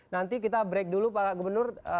nanti kita break dulu pak gubernur